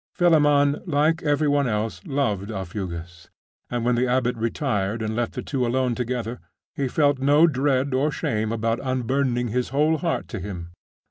Philammon, like everyone else, loved Aufugus; and when the abbot retired and left the two alone together, he felt no dread or shame about unburdening his whole heart to him.